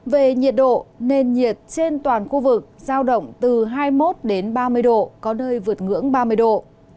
về nhiệt độ nền nhiệt trên toàn khu vực giao động từ hai mươi một ba mươi độ có nơi vượt ngưỡng ba mươi độ